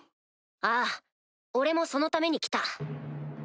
ああ俺もそのために来た。